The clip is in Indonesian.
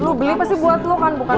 lu beli pasti buat lo kan bukan